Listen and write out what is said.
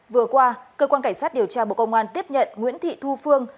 vừa qua cơ quan cảnh sát điều tra bộ công an tiếp nhận nguyễn thị thu phương